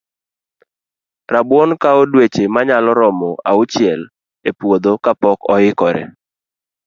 Rabuon kawo dueche manyalo romo auchiel e puodho ka pok oikore